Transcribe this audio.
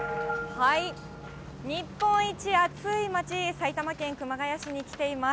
日本一暑い町、埼玉県熊谷市に来ています。